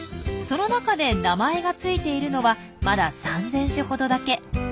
その中で名前が付いているのはまだ３，０００種ほどだけ。